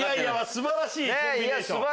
素晴らしいコンビネーション。